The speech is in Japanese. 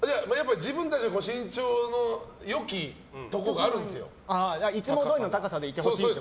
自分たちの身長の良きところがあるんです、高さが。いつもどおりの高さでいてほしいと。